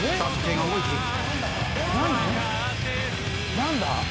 何だ？